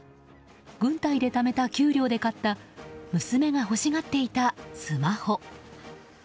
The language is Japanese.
軍隊でためた給料で買った娘が欲しがっていたスマホ。